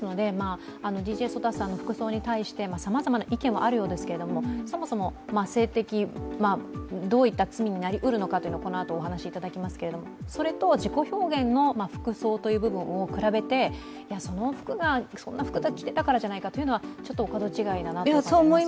ＤＪＳＯＤＡさんの服装に対してさまざまな意見はあるようですけれどもそもそもどういった罪になりうるのかこのあとお話いただきますけれども、それと自己表現の服装という部分を比べて、そんな服を着てたからじゃないかというのはちょっとお門違いじゃないかなと思いますね。